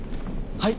はい！